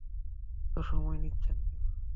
এত সময় নিচ্ছেন কেন?